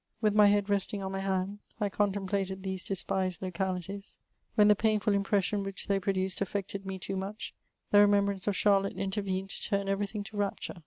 With my head resting on my hand, I contemplated these demised locahties: when ihe painful impression which they produced affieeted me too much, the remembrance of Chariotte intervened to turn efery thing to rapture.